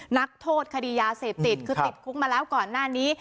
นักโทษคดียาเสพติดคือติดคุกมาแล้วก่อนหน้านี้